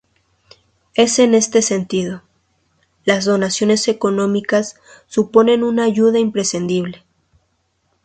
Es en este sentido, las donaciones económicas suponen una ayuda imprescindible.